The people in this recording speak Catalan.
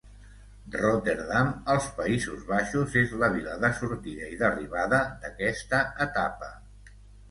Rotterdam, als Països Baixos, és la vila de sortida i d'arribada d'aquesta etapa.